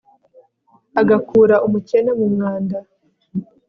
agakura umukene mu mwanda